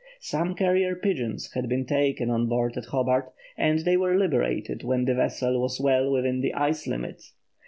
Some carrier pigeons had been taken on board at Hobart, and they were liberated when the vessel was well within the ice limit.